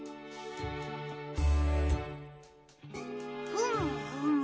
ふむふむ。